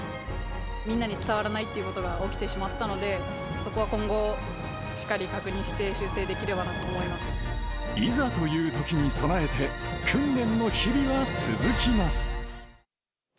みんなに伝わらないということが起きてしまったので、そこは今後、しっかり確認して、いざというときに備えて、訓練の日々は続きます。